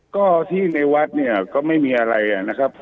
ก็ที่ในวัดเนี่ยก็ไม่มีอะไรนะครับ